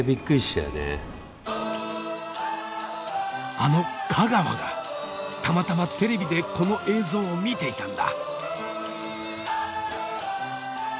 あの香川がたまたまテレビでこの映像を見ていたんだ。